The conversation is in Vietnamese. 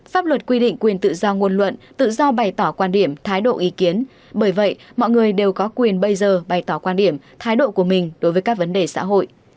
pháp luật quy định quyền tự do ngôn luận tự do bày tỏ quan điểm thái độ ý kiến bởi vậy mọi người đều có quyền bây giờ bày tỏ quan điểm thái độ của mình đối với các vấn đề xã hội